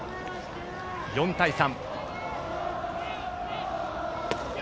４対３。